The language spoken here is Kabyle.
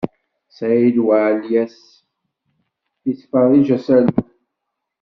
Saɛid Waɛlias yettferrij asaru.